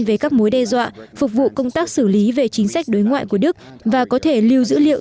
về các mối đe dọa phục vụ công tác xử lý về chính sách đối ngoại của đức và có thể lưu dữ liệu